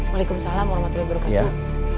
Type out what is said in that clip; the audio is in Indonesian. waalaikum salam warahmatullahi wabarakatuh